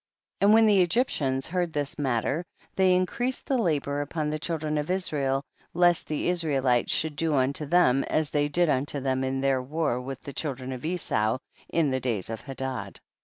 6. And when the Egyptians heard this nnatter, they increased the labor upon the children of Israel, lest the Israelites should do unto them as ihey did unto them in their war with the children of Esau in the days of Hadad.